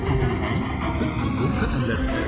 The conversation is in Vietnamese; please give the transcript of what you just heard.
tức là bốn tháng lần